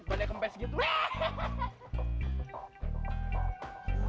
bandyak kempes gitu